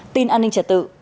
tin an ninh trật tự